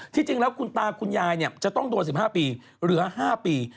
จริงแล้วคุณตาคุณยายจะต้องโดน๑๕ปีเหลือ๕ปี